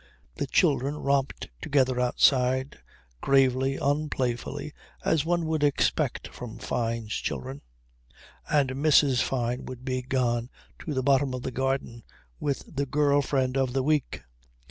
The children romped together outside, gravely, unplayfully, as one would expect from Fyne's children, and Mrs. Fyne would be gone to the bottom of the garden with the girl friend of the week.